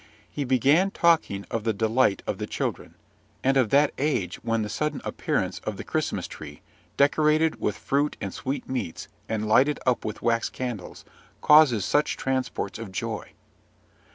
He began talking of the delight of the children, and of that age when the sudden appearance of the Christmas tree, decorated with fruit and sweetmeats, and lighted up with wax candles, causes such transports of joy.